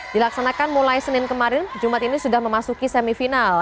dilaksanakan mulai senin kemarin jumat ini sudah memasuki semifinal